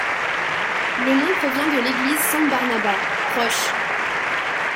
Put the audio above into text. Le nom provient de l'église San Barnaba, proche.